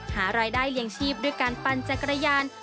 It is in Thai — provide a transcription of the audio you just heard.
หารายได้เลี้ยงชีพด้วยการปั่นจักรยาน